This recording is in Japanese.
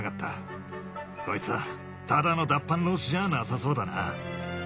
こいつただの脱藩浪士じゃなさそうだな。